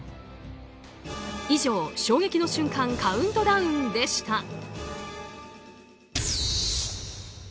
以上衝撃の瞬間カウントダウンでした。